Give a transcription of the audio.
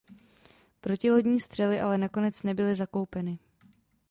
Protilodní střely ale nakonec nebyly zakoupeny.